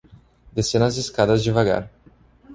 descendo as escadas devagar